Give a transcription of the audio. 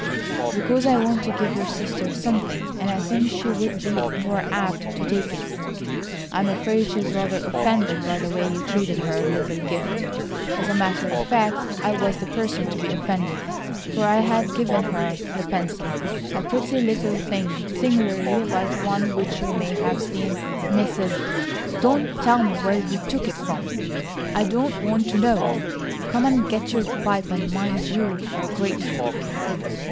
"Because I want to give your sister something, and I think she would be more apt to take it." "I'm afraid she is rather offended by the way you treated her little gift. As a matter of fact I was the person to be offended, for I had given her the pencil. A pretty little thing, singularly like one which you may have seen Mrs.—" "Don't tell me where you took it from. I don't want to know. Come and get your pipe and mind you are grateful."